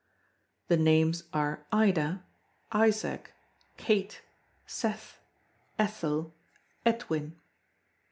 The names are Ida, Isaac, Kate, Seth, Ethel, Edwin.